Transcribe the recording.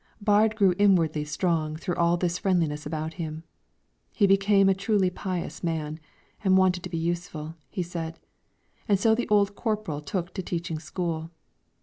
Baard grew inwardly strong through all this friendliness about him; he became a truly pious man, and wanted to be useful, he said, and so the old corporal took to teaching school.